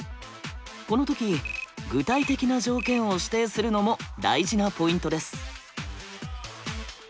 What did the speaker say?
この時具体的な条件を指定するのも大事なポイントです。